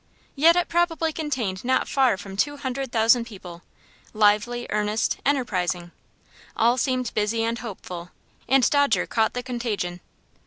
Yet it probably contained not far from two hundred thousand people, lively, earnest, enterprising. All seemed busy and hopeful, and Dodger caught the contagion.